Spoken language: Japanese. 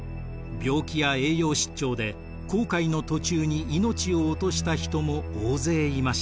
病気や栄養失調で航海の途中に命を落とした人も大勢いました。